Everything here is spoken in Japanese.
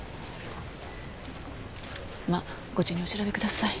まあご自由にお調べください。